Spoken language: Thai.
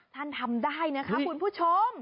ทำได้นะคะคุณผู้ชม